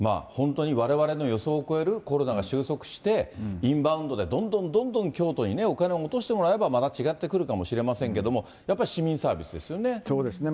本当にわれわれの予想を超えるコロナが収束して、インバウンドでどんどんどんどん京都にお金を落としてもらえばまた違ってくるかもしれませんけれども、やっぱり市民サービスですそうですね。